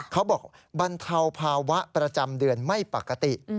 เขาบอกบรรเทาภาวะประจำเดือนไม่ปกติ